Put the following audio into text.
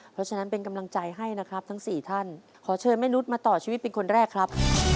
เพราะฉะนั้นเป็นกำลังใจให้นะครับทั้ง๔ท่านขอเชิญแม่นุษย์มาต่อชีวิตเป็นคนแรกครับ